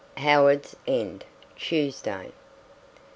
HOWARDS END, TUESDAY.